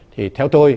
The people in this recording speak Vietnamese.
thì theo tôi